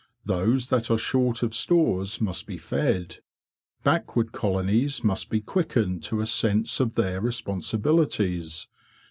Those that are short of stores must be fed; backward colonies must be quickened to a sense of their responsibilities.